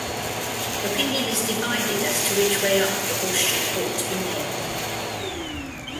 Opinion is divided as to which way up the horseshoe ought to be nailed.